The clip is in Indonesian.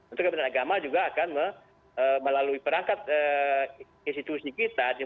untuk kebenaran agama juga akan melalui perangkat institusi kita